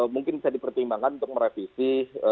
mungkin bisa dipertimbangkan untuk merevisi